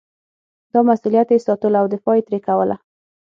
دا مسووليت یې ساتلو او دفاع یې ترې کوله.